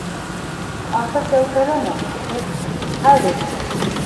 - Артыҡ йәүкәләмә, беҙ - хәҙер.